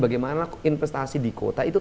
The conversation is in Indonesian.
bagaimana investasi di kota itu